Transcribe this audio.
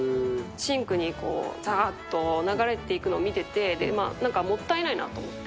シンクにざーっと流れていくのを見てて、なんかもったいないなと思って。